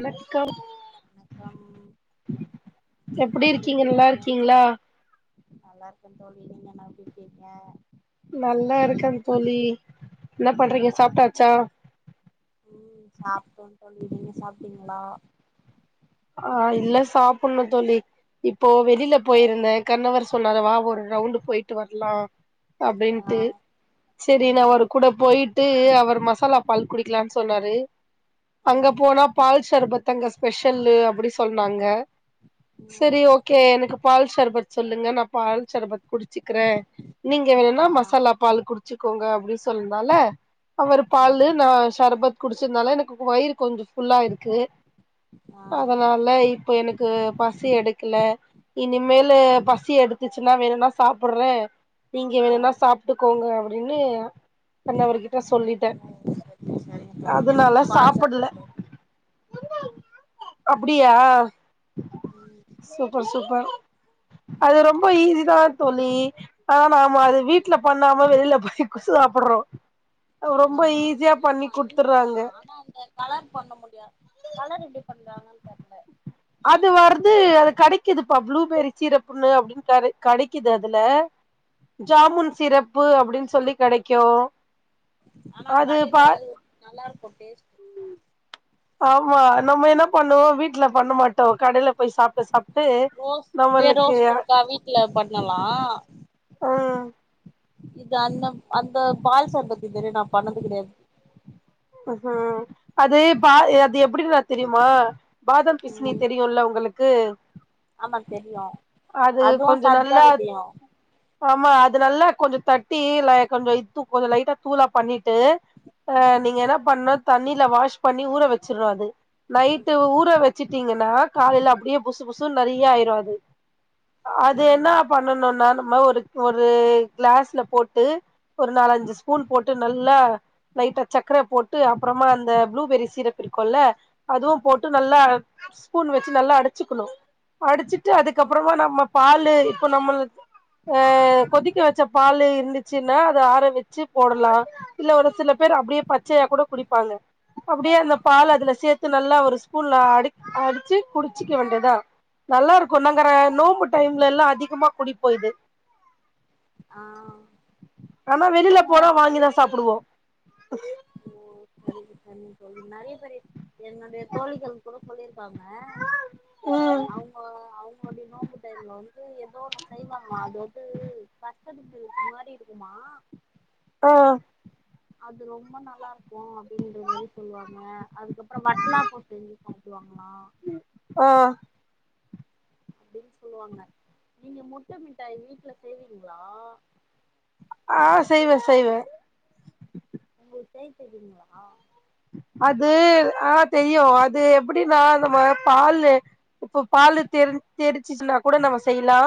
வணக்கம் வணக்கம் எப்டி எப்பிடி நல்லா இருக்கீங்க இருக்கீங்களா நல்லாக்க தோழி நீங்கல்லா எப்படிருக்கீங்க நல்லா இருக்கே தோழி என்ன பண்றீங்க சாப் சாப்ட்டாச்சா ம் சாப்ட்டோ தோழி நீங்க சாப்பிட்டீங்களா ஆ இல்ல சாப்பிடும்னு தோளி இப்போ வெளியில போயிருந்தேன் கணவர் சொன்னார வா ஒரு ரவுண்ட் போயிட்டு வரலா அப்படின்ட்டு ஆ சரி நாஒரு ம் கூட போயிட்டு விட்டு அவர் மசாலா பால் குடிக்கலான்னு சொன்னாரு அங்க ம் போனா பால் சர்பத்து தங்க ஸ்பெஷல் செல்லு அப்பிடி சொன்னாங்க ம் சேரி ஓக்கே எனக்கு பால் சர்பத் சொல்லுங்க நா பால் சர்பத் குடிச்ச குடிச்சுக்கிறே நீங்க வேணா ஆ மசாலா பால் குடிச்சு இருக்கோங்க அப்படி சொல்லனால அவரு பாலூ ம் நா சர்பத்து குடிச்சிருதுனால எனக்கு வயிறு கொஞ்சம் ஃபுல்லா இருக்கு ஆ அதனால இப்ப எனக்கு க்கு பசி எடுக்கல இனிமேலு சி எடுத்துச்சுன்னா வேணும்னா சாப்பிடுறேன் நீங்க ஆ வேணுனா சாப்பிட்டுக்கோங்க என்னைய எண்ணவரு கிட்ட சொல்லிட்டேன் சரிங்க சரிங்க தோழி எனக்கு அதனால பால் சாப்பிடுல சாப்ட்டுக்கிறோ அப்படியா ம் சூப்பர் சூப்பர் அது ரொம்ப ஈஸிதா தோழி ஆனா நாம அத வீட்ல பண்ணாம வெளியில போய் கொசு சாப்பிடுறோம் ஆஹ் ஆமா ஈஸி தா ஆனா அந்த கலர் பண்ண முடியாது கலர் எப்படி பண்றாங்க தெரல அது வருது அது கிடைக்குதுப்பா ப்ளூபெரி சீரப்புன்னு அப்படின்னு கிடைக்குது அதுல ஜாமுன் சிரப்பு அப்படின் சொல்லி கிடைக்கும் ஆனா கடையில நல்லா இருக்கும் டேஸ்ட் ஆமா நம்ம என்ன பண்ணுவோம் வீட்டுல பண்ண மாட்டோம் கடையில போய் சாப்பிட்டு சாப்பிட்டு நம்மளுக்கு ட்ல பண்ணலாம் ஆஹ் இது அண்ண அந்த பால் சர்பத்து தெரிய நா பண்ணது கிடையாது உஹ்ம் அது பா அது எப்படின்னு நான் தெரியுமா பாதம் பிஸ்னி ம் தெரியும்ல உங்களுக் க்கு ஆமா தெரியும் அதுவும் கொஞ்சோ சரஜா நல்லா வித யம் ஆமா அது நல்லா கொஞ்சம் தட்டி கொஞ்சம் இத்து கொஞ்சம் லைட்டா தூளா பண்ணிட்டு நீ நீங்க என்ன பண்ணும் தண்ணியில வாஷ் பண்ணி ஊற வச்சிருனு அது ஓகே நைட்டு் ஊர வச் வச்சுட்டீங்கன்னா காலையில அப்படியே புசு புசு நிறைய ஆயிரும் அது அது என்ன பண்ணணும் நா ஒரு ஒரு கிளாஸ்ல போட்டு ஒரு நாலஞ்சு ஸ்பூன் போட்டு நல்லா லைட்டா சக்கர போட்டு அப்பறமா அந்த ப்ளூபெரி சீரப்பு இருக்கோல்ல அதுவும் போட்டு நல்ல ஸ்பூன் வச்சு நல்லா அடைச்சுக்கணும் அடிச்சு ட்டு அதுக்கப்பறமா நம்ம பாலு இப்ப நம்மளுக்கு அஹ் கொதிக்க வச்ச பாலு இருந்துச்சுன்னா அத ஆற வெச்சு போடலா இல்ல ஒரு சில பேர் அப்டியே பச்சையா கூட குடிப்பாங்க அப்படியே அந்த பால அதுல சேத்து நல்லா ஒரு ஸ்பூன்ல அடி அடிச்சு குடிச்சிக்க வேண்டியத் தா நல்லாருக்கு நங்கற நோம்பு டைம்ல எல்லா அதிகமா குடிப்போ இது ஆ ஆனா வெளில போனா வாங்கிதா சாப்டுவோ ஓ சரி சரிங்க தோழி நறைய பேரு என்னுடைய தோழிகள் கூட சொல்லிர் காங்க ம் அவங்க அவங்ளுடைய நோம்பு டைம்ல வந் து எதோ ஒன்னு செய்வாங்களா அது [inaudible] ஒரு மாரி இருக்குமா ஆஹ் அது ரொம்ப நல் லாருக்கு அப்டின்ற மாரி சொல்வாங்க அதுக்கப்றோ வட்னா போட்டு காட்டுவாங் ஆஹ் அப்டின் சொல்லுவாங்க நீங்க முட்ட மிட்டாயி வீட்ல செய்வீங்களா ஆ செய்வே செய்வே உங்களுக் செய் தெரியுங்களா அது ஆ தெரியு அது எப்டின்னா நம்ம பாலு இப்ப பாலு [inaudible] ச்சின்னா கூட நம்ம செய்யலா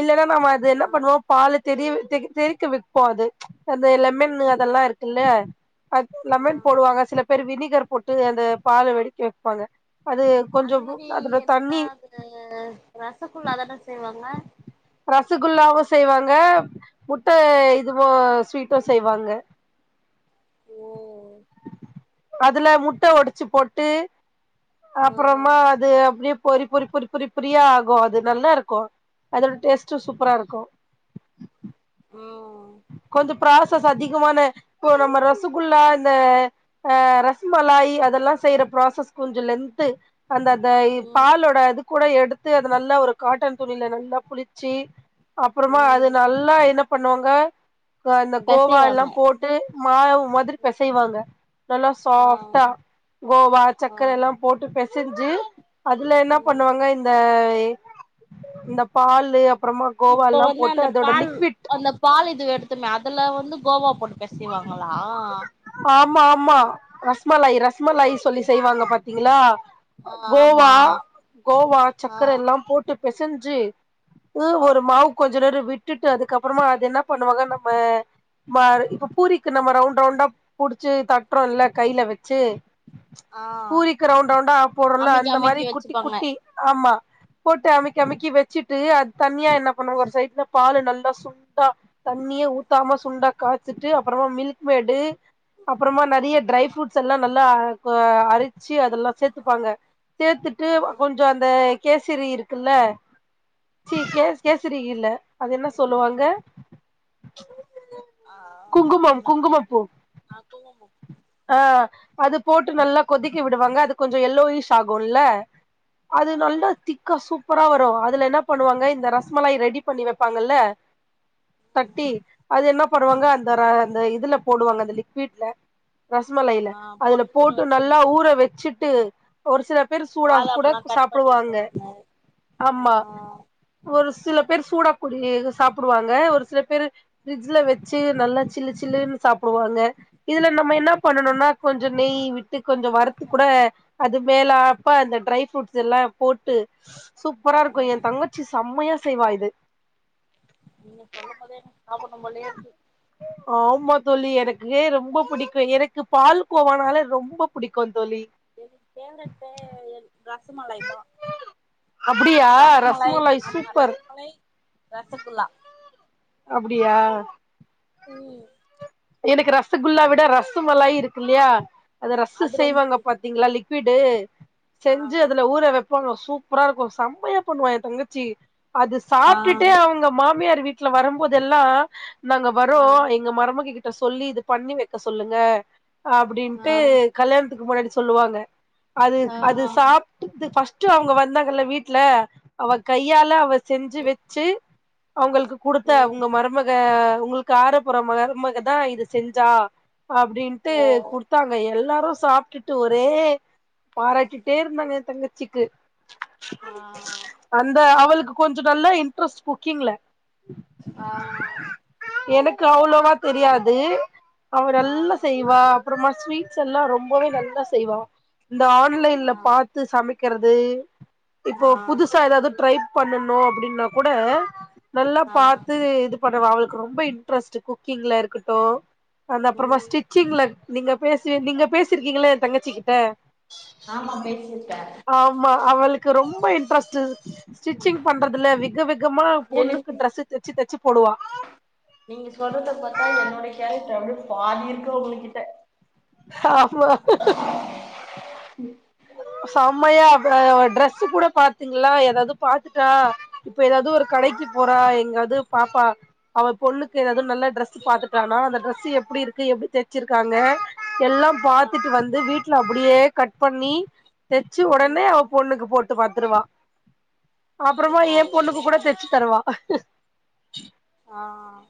இல்லனா நம்ம அது ஆ என்ன பண்ணுவோ பால திரிய தெக் திரிக்க வெப்போ அது அந்த லெமன்னு அதெல்லா இருக்குல்ல அது ஆ லெமன் போடுவாங்க சில பேர் வினிகர் போட்டு அந்த பால வெடிக்க வெப்பாங்க அது கொஞ்சோ அந்த மாரி அதோட எடுத்தா தண்ணி அதுல ரசக்குள்ளா தான செய்வாங்க ரசகுல்லாவு செய்வாங்க முட்ட இதுவோ ஸ்வீட்டு செய்வாங்க ஓ அதுல முட்ட ஒடச்சு போட்டு ஆ அப்பறமா அது அப்டியே பொரி பொரி பொரி பொரி பொரியா ஆகு அது நல்லா இருக்கு அதோட டேஸ்ட்டு சூப்பரா இருக்கு உம் கொஞ்ச ப்ராசஸ் அதிகமான போ நம்ம ரசகுல்லா அந்த அ ரஸ்மலாய் அதெல்லா செய்யற ப்ராசஸ் கொஞ்ச லென்த்து அந்த அந்த இ ம் பாலோட அது கூட எடுத்து அது நல்லா ஒரு காட்டன் துணில நல்லா புளிச்சி அப்பறமா அது ம் நல்லா என்ன பண்ணுவாங்க க அந்த கோவா எல்லா பெசைவாங்க போட்டு மாயவ் மாதிரி பெசைவாங்க நல்லா ஆ சாஃப்டா கோவா ஆ சக்கர எல்லா போட்டு பெஸ் செஞ்சு அதுல என்னா ம் பண்ணுவாங்க இந்த இந்த பாலு அப் இப்ப வந்து அந்த பால் அந்த பால் இது எடுத் த்தமே அதுல வந்து கோவா போட்டு பெசைவாங்களா ஆமா ஆமா ரஸ்மலாய் ரஸ்மலாயி சொல்லி செய்வாங்க பாத்தீங்களா ஆ ஆமா கோவா கோவா ஆ சர்க்கர எல்லா போட்டு பெசஞ்சி ம் ஆ ஒரு மாவு கொஞ் ஞ்சநேர விட்டுட்டு அதுக்கப்புறமா அது என்ன பண்ணுவாங்க நம்ம ம இப்ப பூரிக்கு நம்ம ரவுண்ட் ரவுண்டா புடிச்சு தட்டுறோ இல்ல கையில வச்சு ஆ பூரிக்கு ரவுண்ட் ரவுண்டா போட்றோல்ல அமிக்கி அந்த மாரி அமிக்கி குட்டி வச்சுப்பாங்க குட்டி ஆமா போட்டு அமிக்கி அமிக்கி வச்சிட்டு அது தனியா என்ன பண்ணு ஒரு சைட்ல பால் நல்லா சுண்டா தண்ணியே ஊத்தாம சுண்டா காய்ச் சிட்டு அப்பறமா மில்க் மேய்டு அப்பறமா நெறைய ட்ரை ஃப்ரூட்ஸ் எல்லா நல்லா கெ அரிச்சு அதெல்லா சேத்துப்பாங்க சேத்துட்டு ஆ கொஞ்சோ அந்த கேசரி இருக்குல்ல கேசரி இல்ல அ என்ன சொல்லுவாங்க ஆ, ஆ குங்குமம் என்னா ஐ குங்குமப்பூ அ கோவ ஆ அது போட்டு நல்லா கொதிக்க விடுவாங்கே அது கொஞ்சோ எல்லோயிஷ் ஆகுங்லே ஆ அது நல்லா திக்கா சூப்பரா வரோ அதுலே என்னாப் பண்ணுவாங்கே இந்த ரஸ்மல்லாய் ரெடி பண்ணி வெப்பாங்கல்லே தட்டி அது என்னா பண்ணுவாங்க அந்த ரா அந்த இதுல போடுவாங்கே அந்த லிக்விட்லே ஆ ரஸ்மல்லாயிலே அதுல ஊற போட்டு நல்லா வச்சிருவாங்க ஊற வெச்சிட்டு ஒரு சிலர் பேரு சூலா கூட பாதாம்லா கு கட் பண்ணி சாப்புடுவாங்கே போடுவாங்க ஆ ஆமா ஒரு சில பேரு சூடா குடிக சாப்புடுவாங்கே ஒரு சில பேரு ஃப்ரிட்ஜ்ல வெச்சு நல்லா சில்லு சில்லுன்னூ சாப் போவாங்கே இதுலே நம்மே என்னாப் ன்னோனுன்னா கொஞ்ச நெய் விட் தி கொஞ்சோ வருத்து ஆமா கூட அது மேலாப்பா அந்த ட்ரை ஃப்ரூட்ஸ் எல்லா போட்டு சூப்பரா இருக்கோ எ ம் தங்கச்சி செம்மையா செய்வா இது நீங்கே சொல்லும் மோதே எனக் ஆமா தோழி எனக்கே ரொம்போ பிடிக்கு எனக் கு பால் கோவானாலே ரொம்போ புடிக்கோ தோழி எ ஃபேவரிட்டே ரஸ்சுமொல்லாய்தா அப்டியா ரஸ்மொலாய் ரஸ்மலாய் ஆமா சூப்பர் ரஸ்மொல்லை ரத்தகுல்லா அப்டியா ம் எனக்கு ரசகுல்லா விட ரசமலாய் இருக்கு இல்லையா அத ரசு அது ரொம்ப செய்வாங்க புடிக்கு பாத்தீங்களா லி க்விடு செஞ்சு ஆ அதுல ஊற வப் புவம் சூப்பரா இருக்கோ செம்மையா பண்ணுவா என் தங்கச்சி அது ஆ சாப்டுட்டு அவுங்க மாமியார் வீட் வீட்டுல வரும்போதெல்லா நாங்க வரோ ஆ எங்க மருமகிட் சொல்லி இது பண்ணி வெக்க சொல்லுங்க அப்டின்ட்டு ஆ கல்யாணத்துக்கு முன்னாடி சொல்லுவாங்க அது அது ஆ சாப்டுது பஸ்ட் டு அவுங்க வந்தாங்கல்ல வீட்டுல அவ கையால அவ செஞ்சு வெச்சி அவுங்களுக்கு குடுத்த ம் உங்க மருமக உங்களுக்கு ஆரப்போற மருமக தா இது செஞ்சா அப்டின்ட்டு ஓ குடுத்தாங்க எல்லா அப்புறோ சாப்டுட்டு ஒரே பாராட்டிட்டே இருந்தாங்க ஏன் தங்கச்சிக்கு ஆ அந்த அவலுக் கொஞ்சோ நல்லா இன்ட்ரெஸ்ட் குக்கிங்ல ஆ எனக்கு அவ்ளோவா தெரியாது அவ ஆ நல்ல செய்வா அப்புறமா ஸ்வீட்ஸ் எல்லா ரொம்பவே நல்லா செய்வா இந்த ஆன்லைன்ல ஆ பாத்து சமைக் க்கிறது இப்போ புதுசா ஏதாவது ட்ரைப் பண்ணணோ அப்டின்னா கூட நல்லா ஆ ஆ பாத்து இது பண்ணுவா அவளுக்கு ரொம்ப இன்டரெஸ்ட் குக் பண் குக்கிங்கள இருக்கட்டு அந்த அப்புறமா ம் ஸ்டிச்சிங் நீங்க பேச நீங்க பேசி இருக்கீங்கல்ல என் தங்கச்சி கிட்ட ஆமா பேசிருக்கே ஆமா அவுளுக்கு ரொம்ப ரொம்ப இன்ட்ரெஸ்ட் ஸ்டிச்சிங் பண்றதுல விக விகமா பொண்ணுக்கு எனக்கு ட்ரெஸ் தெச்சு தெச்சு போடுவா நீங்க சொல்றத பாத்தா என்னுடைய கேரக்டர் அப்டியே பாதி இருக்கு அவுங்ககிட்ட ஆமா உம் செம்மையா அ ட்ரெஸ்ஸு கூட பாத்துங்களா ஏதாவது பாத்துட்டா இப்ப ஏதாவது ஒரு ஆ கடைக்கு போற எங்காது து பாப்பா அவ பொண்ணுக்கு ஏதாது நல்ல ட்ரெஸ் பாத்துட்டானா அந்த டிரஸ் எப்படி இருக்கு எப்படி தச்சிருக்காங்க எல்லாம் ஆ பாத்துட்டு வந்து வீட்டுல அப்டியே கட் பண்ணி தச்சு உடனே ம் அவ பொண்ணுக்கு போட் ட்டு பாத்துருவா ஓ அப்பறமா என் பொண்ணுக்கு கூட தச்சு தருவா ஆஹ்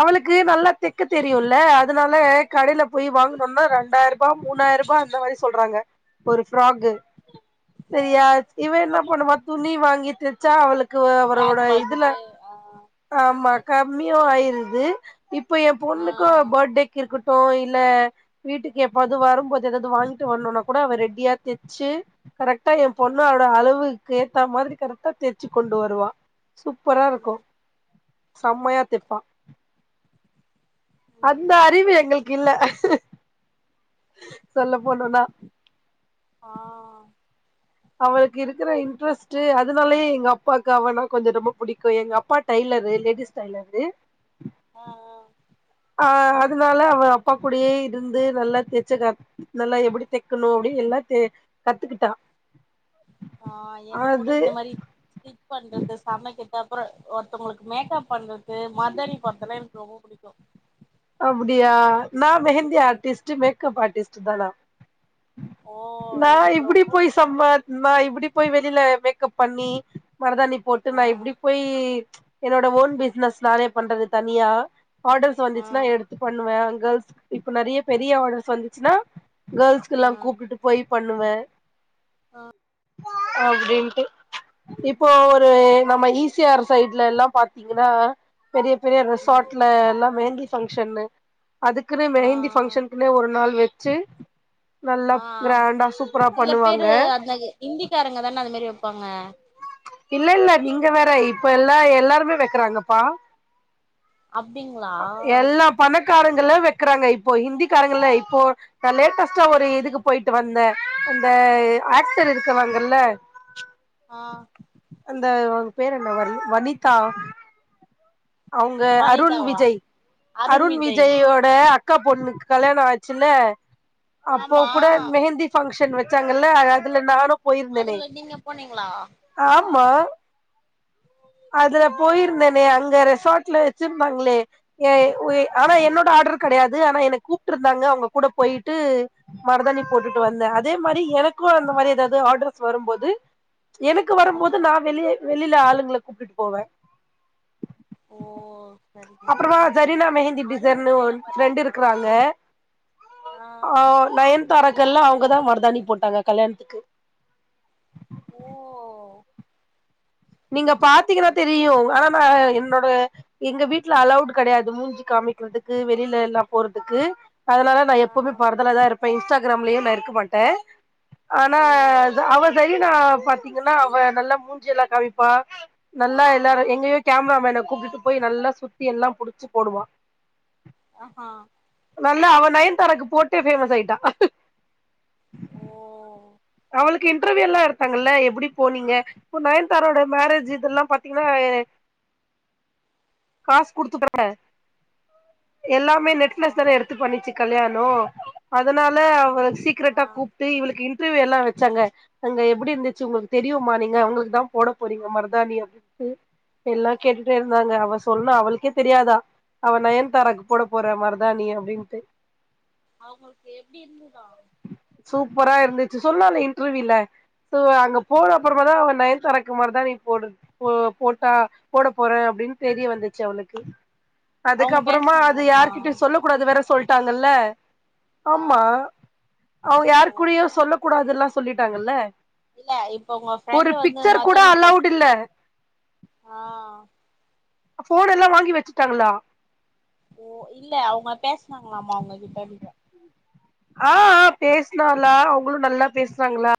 அவளுக்கு நல்லா தெக்க தெரியுல்ல அதனால கடையில போய் வாங்கனோனா ரெண்டாயிர ரூபா மூணாயிரூபா அந்த மாரி சொல்றாங்க ஒரு ஃபிராகு சரியா இவ என்ன ஆமா பண்ணுவா துணி வாங்கி தச்சா அவளுக்கு கு அவரோட கிளாத் இதுல வாங்கிட்டு ஆ ஆமா கம்மியோ ஆயில் து இப்ப என் ஆ பொண்ணுக்கு பர்த்டேக்கு இருக்கட்டு இல்ல வீட்டுக்கு எப்பாது வரும் போது எதாவது வாங்கிட்டு வருனுனா கூட அவ ரெடியா தச்சு கரெக்டா என் ஆ பொண்ணு அவோட அளவுக்கு ஏத்தா மாதிரி கரெக்டா தச்சு கொண்டு வருவா சூப்பரா இருக்கு ம் செம்மையா தைப்பா ம் அந்த அறிவு எங்களுக்கு இல்ல சொல்ல போனுனா ஆஹ் அவளுக்கு இருக்கிற இன்ட்ரெஸ்ட் அதனாலயே எங்க அப்பாக்கு அவனா கொஞ்சம் ரொம்ப பிடிக்கு எங்க அப்பா டைலரு லேடிஸ் டைலரு ஆ அஹ் அதனால அவ அப்பா கூடேயே இருந்து நல்லா தச்சு க நல்லா எப்படி தைக்கணு அப்டியே எல்லா கத்துக்கிட்டா ஆஹ் எனக் கூட அது இந்த மாரி ஸிட்ச் பண்றது சமைக்கிறது அப்பறம் ஒருத்தவங்களுக்கு மேக்கப் பண்ற து மருதாணி போடறதுலா எனக்கு ரொம்ப பிடிக்கு கு அப்டியா நா மெஹந்தி ம் ஆர்டிஸ்ட் மேக்கப் ஆர்டிஸ்ட் சுதலா ஓ நா எனக்கு இப்டி ரொம்ப போய் புடிக்கு சம நா இப்டி போய் வெளியில மேக்கப் பண்ணி மருதாணி போட்டு ஆ நா இப்டி போய் என்னோட ஓன் பிசினஸ் நானே பண்றது தனியா ஆர்டர்ஸ் ஆ வந்துச் ன்னா எடுத்து பண்ணுவே கேர்ள்ஸ் இப்ப நிறைய பெரிய ஆர்டர்ஸ் வந்துச்சுன்னா ஆ கேர்ள்ஸ்கல்லா கூப்டுட்டு போய் பண்ணுவே அப்டின்ட்டு இப்போ ஒரு நம்ம ஈ சி ஆர் சைட்லல்லா பாத்தீங்கன்னா பெரிய பெரிய ம் ரிசார்ட்ல எல்லா மெஹந்தி ஃப்பங்ஷனு அதுக்குனு ஆ மெஹந்தி ஆ ஃபங்ஷனுக்குனே ஒரு நாள் வெ ச்சு நல்லா ஆ ஆம் கிராண்டா சூப்பரா பண்ணுவாங்க இந்திகாரங்க தான அத மாரி வப்பாங்க இல்ல இல்ல நீங்க வேற இப்ப எல்லா எல்லாருமே வெக்கிறாங்கப்பா அப்டிங்ளா க்காரங்களு வெக்றாங்க இப்போ ஹிந்தி காரங்க இல்ல இப்போ நா லேட்டஸ்ட்டா ஒரு இதுக்கு போய்ட்டு வந்த அந் த ஆ ஆக்டர் இருக்குவாங்கல் ல ஆ அந்த அவுங் பேர் என்ன வன் வனிதா அவுங்க அருண் வனிதாவா விஜய் அருண் விஜயோட அக்கா பொண்ணுக்கு கல்யாணோ ஆச்சுல அப்போ ஆமா கூட மெஹந்தி ஃபங்ஷன் வ வச்சாங்கல்ல அ அதுல நானு போயிருந்தனே அதுல நீங்க போனீங்களா ஆமா அதுல ஓ போயிருந்தனே அங்க ரெஸ் ரெஸார்ட்ல வெச்சிருந்தாங்களே ஏ ஒய் ஆ ஆனா என்னோட ஆட்ரு கெடயா து ஆனா என்ன கூப்ட்டுருந்தாங்க அவுங்க கூட போய்ட்டு மருதாணி போட்டுட்டு வந்த அதே மாரி எனக்கு அந்த மாரி எதாது ஆடர்ஸ் வரும்போது எனக்கு ஆ வரும்போது நா வெளியே வெளில ஆளுங்கள கூப்டுட்டு போவ ஓ சரிங்க அப்பறமா சரிங்க தோழி ஜரினா மெஹந்தி அருண் டிசர்னு ஒன் விஜய்லா ஃப்ரெண்ட் பாத்தீங்களா இருக்றாங்க ஆ நயன்தாராக் க்கெல்லா அவுங்கதா மருதாணி போட்டாங்க கல்யாண்த்துக்கு ஓ நீங்க பாத்தீங்னா சரி தெரியு ஆனா நா எ என்னோட எங்க வீட்ல அலொவ்டு கெடயாது மூஞ்சி காமிக்றதுக்கு வெளில எல்லா போறதுக்கு அதுனால நா ஆ எப்போம்மே பர்தாலதா இருப்ப இன்ஸ்ட்டா கிராம்லியு நா இருக்க மாட்டே ஆனா ஓ அவா சைய னா பாத்தீங்கனா அவ நல்லா மூஞ்சியெல்லா காமிப் பா நல்லா ஆ எல்லாரு எங்கயோ கேமரா மேன கூப்டுட்டு போய் நல்லா சுத்தி எல்லா புடிச்சு போடுவா அஹா நல்லா அவ நயன்தாராக்கு போட்டே ஃபேமஸ் ஆய்ட்டா ஓ அவளுக்கு இன்டர்வியூலா எடுத்தாங்கல்ல எப்புடி போனீங்க இப்ப நயன்தாரா ஓட மேரேஜ் இதெல்லா பாத்தீங்கனா ஏ காஸ் குடுத்து [inaudible] எல்லாமே ஆமா நெட்ஃபிளஸ்தான எடுத்து பண்ணிச்சு கல்யாண் நோ அதுனால அவள சீக்குரெட்டா ஆ கூப்ட்டு இவளுக்கு இன்ட்ரவியூ எல்லா வச்சாங்க அங்க எப்புடி இருந்துச்சு உங்களுக்கு தெரியுமா நீங்க அவுங்களுக்குதா போட போறீங்க மருதாணி அப்டிப்ட்டு எல்லா கேட்டுட்டே இருந்தாங்க அவஸ் சொன்னா அவளுக்கே தெரியாதா அவ நயன்தாரக்கு போட போற மருதாணி அப்டின்ட்டு அவுங்களுக்கு எப்டி இருந்துதா சூப்பரா இருந்துச்சு சொன்னால இன்டர்வியூல ஸோ அங்கப்போன அப்பறமாதா அவ நயன்த்தாராக்கு மருதாணி போடுரதுக் போட்டா போட போறே அப்டின் தெரிய வந்துச்சு அவளுக்கு அவங்க அதுக்கப்பறமா அது பேசுனாங்களாமா யாருகிட்ட சொல்லக் கூடாது வேற சொல்ட் ட்டாங்கல்ல ஆமா ஆ அவ ஓ யாரு கூடியு ஆ சொல்ல கூடாதுல்லா சொல்லிட் ட்டாங்கல்ல இல்ல இப்ப உங்க ஃப்ரெண்டு வந்து கூட மருதாணி அலவுட் இல்ல போட்டு ஆ போன் எல்லா வாங்கி வச்சுட்டாங்களா ஓ இல்ல அவுங்க பேசனாங்களாம அவுங்க கிட்டன்ற ஆ ஆ பேசனாலா அவுங்களு நல்லா பேசுனாங்களா